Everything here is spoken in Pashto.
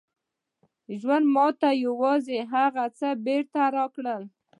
ژوند ماته یوازې هغه څه بېرته راکوي